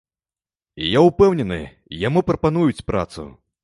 І я ўпэўнены, яму прапануюць працу.